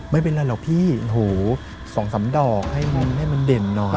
ไม่เป็นไรหรอกพี่สองสามดอกให้มันเด่นน่อย